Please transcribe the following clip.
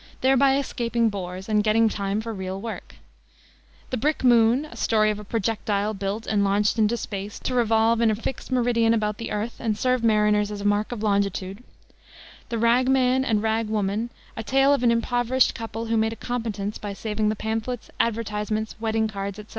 thereby escaping bores and getting time for real work; the Brick Moon, a story of a projectile built and launched into space, to revolve in a fixed meridian about the earth and serve mariners as a mark of longitude; the Rag Man and Rag Woman, a tale of an impoverished couple who made a competence by saving the pamphlets, advertisements, wedding cards, etc.